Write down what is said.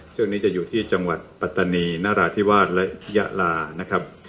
ซึ่งนี้จะอยู่ที่จังหวัดปัตตานีนราธิวาสและยะลานะครับ